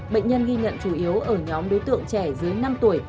bệnh nhân ghi nhận chủ yếu ở nhóm đối tượng trẻ dưới năm tuổi